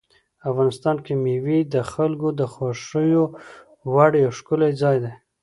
افغانستان کې مېوې د خلکو د خوښې وړ یو ښکلی ځای دی.